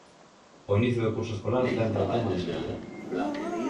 O inicio do curso escolar centra o Tema da Semana.